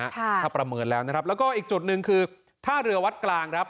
ถ้าประเมินแล้วนะครับแล้วก็อีกจุดหนึ่งคือท่าเรือวัดกลางครับ